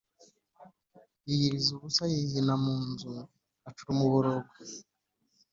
Yiyiriza ubusa yihina mu nzu acura umuborogo